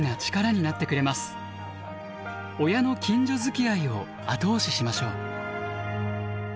親の近所づきあいを後押ししましょう。